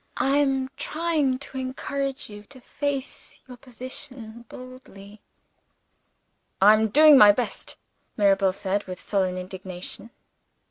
"I am trying to encourage you to face your position boldly." "I am doing my best," Mirabel said, with sullen resignation.